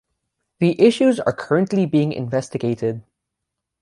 The issues are currently being investigated.